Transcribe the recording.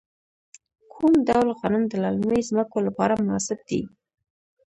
کوم ډول غنم د للمي ځمکو لپاره مناسب دي؟